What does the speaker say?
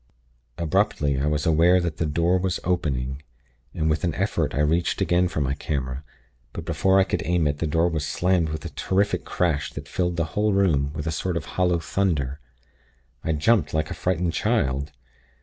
"Abruptly, I was aware that the door was opening, and with an effort I reached again for my camera; but before I could aim it the door was slammed with a terrific crash that filled the whole room with a sort of hollow thunder. I jumped, like a frightened child.